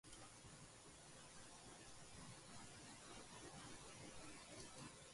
Energia ministroak eman du erabakiaren berri, prentsaurrekoan.